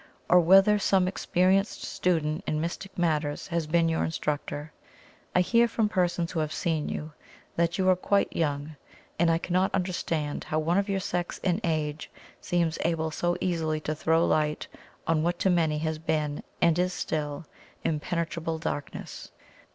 or whether some experienced student in mystic matters has been your instructor? I hear from persons who have seen you that you are quite young, and I cannot understand how one of your sex and age seems able so easily to throw light on what to many has been, and is still, impenetrable darkness.